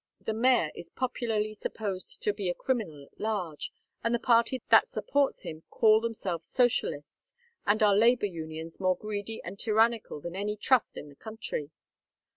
The mayor is popularly supposed to be a criminal at large, and the party that supports him call themselves socialists, and are labor unions more greedy and tyrannical than any Trust in the country.